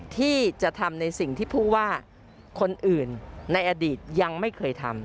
ที่จะทำในสิ่งที่ผู้ว่าคนอื่นในอดีตยังไม่เคยทำ